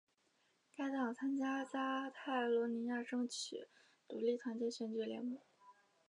该党参加加泰罗尼亚争取独立团结选举联盟。